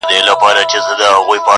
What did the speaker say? زه د نصیب له فیصلو وم بېخبره روان.!